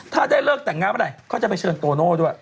ถ้าได้เลิกแต่งงานเมื่อไหร่เขาจะไปเชิญโตโน่ด้วย